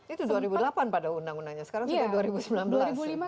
itu dua ribu delapan pada undang undangnya sekarang sudah dua ribu sembilan belas